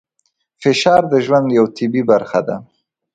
فشار د ژوند یوه طبیعي برخه ده.